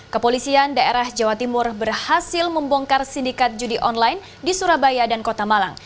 kepolisian daerah jawa timur berhasil membongkar sindikat judi online di surabaya dan kota malang